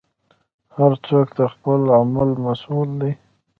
هر څوک د خپل عمل مسوول دی.